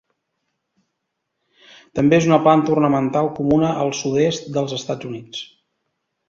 També és una planta ornamental comuna al sud-est dels Estats Units.